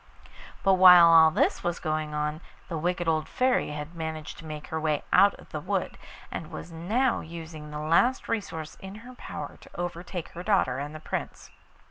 But while all this was going on the wicked old Fairy had managed to make her way out of the wood, and was now using the last resource in her power to overtake her daughter and the Prince.